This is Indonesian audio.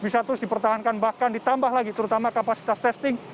harus dipertahankan bahkan ditambah lagi terutama kapasitas testing